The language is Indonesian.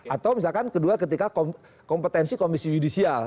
atau misalkan kedua ketika kompetensi komisi yudisial